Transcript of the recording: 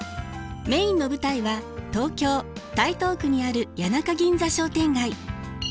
メインの舞台は東京・台東区にある谷中銀座商店街。